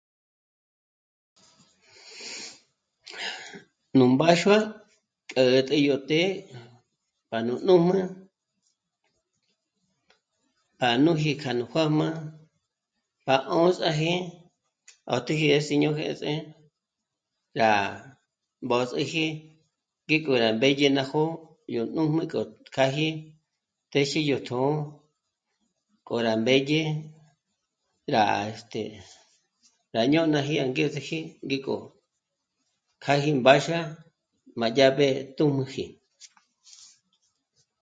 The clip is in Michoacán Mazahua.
Nú mbáxua k'a 'ä̀tji yó të́'ë pa nú nújm'u, pa núji kja nú juā̌jmā rá 'ö̂ndzaji à téñe sí'ño jês'e rá mbós'üji ngík'o rá mbédye ná jó'o yó nùjm'u k'o... kja yó k'áji téxi yó tjṓ'ō k'o rá mbédye, rá... este... rá ñônaji angezeji ngík'o kjâji mbáxua má yá b'ë́ tùm'uji